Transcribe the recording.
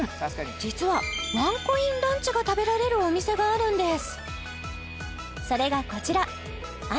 実はワンコインランチが食べられるお店があるんです